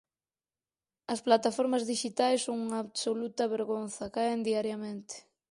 As plataformas dixitais son unha absoluta vergonza, caen diariamente.